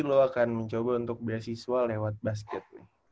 lo akan mencoba untuk beasiswa lewat basket